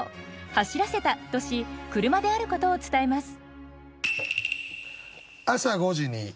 「走らせた」とし車であることを伝えます。